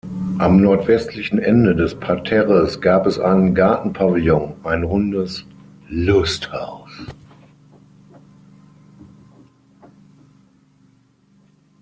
Am nordwestlichen Ende des Parterres gab es einen Gartenpavillon, ein rundes „Lusthaus“.